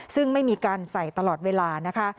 ซึ่งไม่มีการใส่ตลอดเวลานะคะ